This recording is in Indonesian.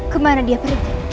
kemana dia pergi